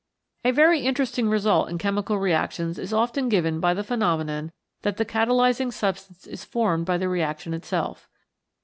A very interesting result in chemical reactions is often given by the phenomenon that the cata lysing substance is formed by the reaction itself.